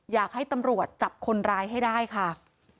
อยากให้ตำรวจจับคนร้ายให้ได้ค่ะ